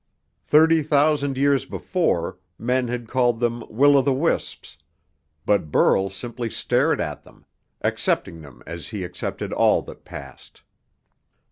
Thirty thousand years before, men had called them "will o' the wisps," but Burl simply stared at them, accepting them as he accepted all that passed.